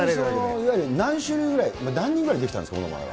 いわゆる何種類ぐらい、何人ぐらいできたんですか、ものまねは。